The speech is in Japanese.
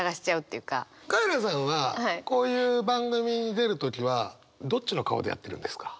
カエラさんはこういう番組に出る時はどっちの顔でやってるんですか？